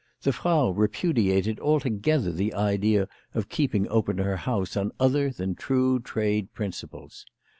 The Frau repudiated alto gether the idea of keeping open her house on other than true trade principles.